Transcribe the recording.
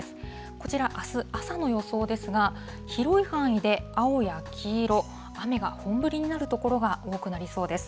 こちら、あす朝の予想ですが、広い範囲で青や黄色、雨が本降りになる所が多くなりそうです。